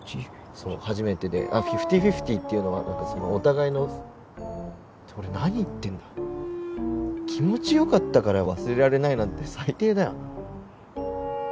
そう初めてでフィフティーフィフティーっていうのは何かそのお互いのって俺何言ってんだ気持ちよかったから忘れられないなんて最低だよな